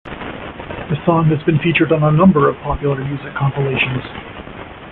The song has been featured on a number of popular music compilations.